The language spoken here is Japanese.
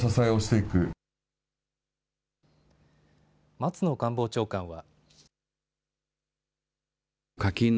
松野官房長官は。